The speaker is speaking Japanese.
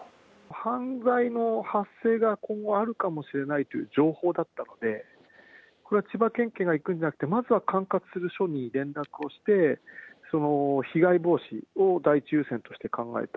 犯罪の発生が今後、あるかもしれないっていう情報だったので、これは千葉県警が行くんじゃなくて、まずは管轄する署に連絡をして、その被害防止を第一優先として考えた。